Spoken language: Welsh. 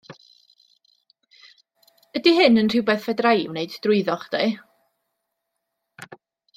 Ydi hyn yn rhywbeth fedra i wneud drwyddo chdi?